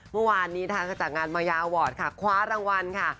เมื่อวานนี้ทางจากงานมายาอาวอร์ดค่ะคว้ารางวัลค่ะ